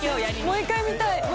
もう一回見たい。